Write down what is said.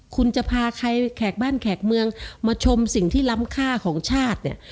คุณจะพาใครแขกบ้านแขกเมืองมาชมสิ่งที่ล้ำค่าของชาติเนี่ย